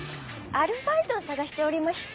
アルバイトを探しておりまして。